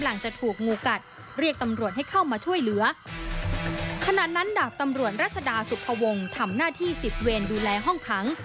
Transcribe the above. ดับตำรวจรัชดาสุขวงทำหน้าที่สิบเวรดูแลห้องคั้ง